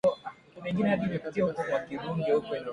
Tukilima bangi katika sehemu za Nyeri pekee